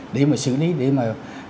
để mà xử lý để mà